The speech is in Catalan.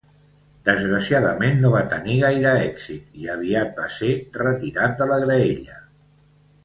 Desgraciadament no va tenir gaire èxit i aviat va ser retirat de la graella.